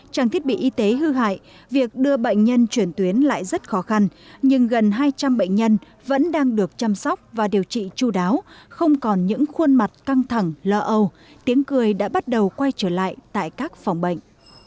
trang thiết bị y tế hư hại việc đưa bệnh nhân chuyển tuyến lại rất khó khăn nhưng gần hai trăm linh bệnh nhân vẫn đang được chăm sóc và điều trị chú đáo không còn những khuôn mặt căng thẳng lỡ âu tiếng cười đã bắt đầu quay trở lại tại các phòng bệnh